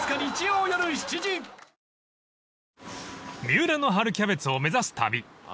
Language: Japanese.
［三浦の春キャベツを目指す旅］